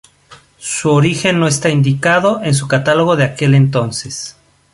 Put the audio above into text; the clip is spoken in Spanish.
Su origen no está indicado en su catálogo de aquel entonces.